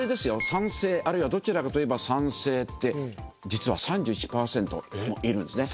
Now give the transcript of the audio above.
賛成あるいはどちらかといえば賛成って実は３１％もいるんですね。